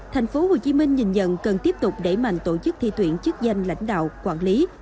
tp hcm nhìn nhận cần tiếp tục đẩy mạnh tổ chức thi tuyển chức danh lãnh đạo quản lý